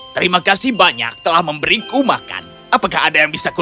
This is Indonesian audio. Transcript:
terima kasih banyak telah memberiku makan apakah ada yang bisa keluar